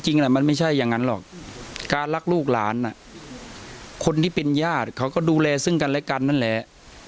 จริงมันไม่ใช่อย่างนั้นหรอกการรักลูกหลานคนที่เป็นญาติเขาก็ดูแลซึ่งกันและกันนั่นแหละ